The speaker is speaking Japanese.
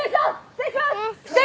失礼します！